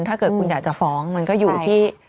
ถ้าเกิดคุณอยากจะฟ้องมันก็อยู่ที่